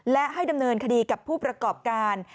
และให้ดำเนินคดีกับผู้ประกอบการ